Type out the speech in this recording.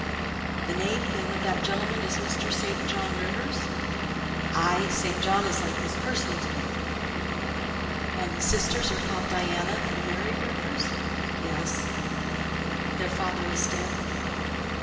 "The name, then, of that gentleman, is Mr. St. John Rivers?" "Aye; St. John is like his kirstened name." "And his sisters are called Diana and Mary Rivers?" "Yes." "Their father is dead?"